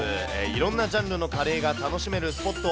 いろんなジャンルのカレーが楽しめるスポット。